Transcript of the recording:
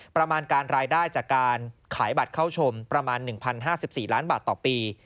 ประมาณการรายได้จากการขายบัตรเข้าชมประมาณ๑๐๕๔ล้านบาทต่อปี